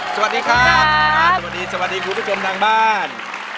สวัสดีคุณผู้ชมดังบ้าน